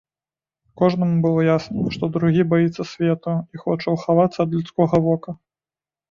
Кожнаму было ясна, што другі баіцца свету і хоча ўхавацца ад людскога вока.